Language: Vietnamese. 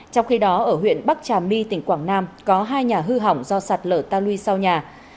trong khi đó ở huyện bắc trà my tỉnh quảng nam có hai nhà hư hỏng do sạt lở ta lui sau nhà